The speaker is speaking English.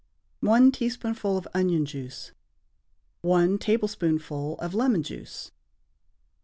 1 teaspoonful of onion juice. 1 tablespoonful of lemon juice.